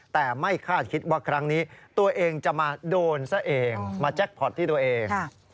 แต่ไม่คาดคิดว่าครั้งนี้ตัวเองจะมาโดนซะเองมาแจ็คพอร์ตที่ตัวเอง